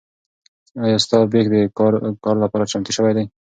ایا ستا بیک د کار لپاره چمتو شوی دی؟